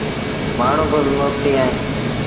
مآڻهوٚݩ با مهبتيٚ اهيݩ۔